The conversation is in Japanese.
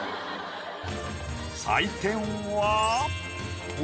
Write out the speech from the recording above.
採点は？